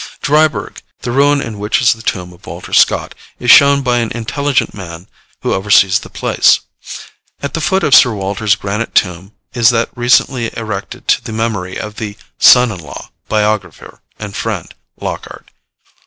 Dryburgh, the ruin in which is the tomb of Walter Scott, is shown by an intelligent man who oversees the place. At the foot of Sir Walter's granite tomb is that recently erected to the memory of 'the son in law, biographer, and friend,' Lockhart.